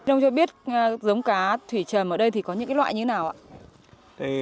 ông cho biết giống cá thủy trầm ở đây thì có những loại như thế nào ạ